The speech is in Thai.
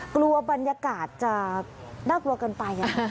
กลัวบรรยากาศจะน่ากลัวเกินไป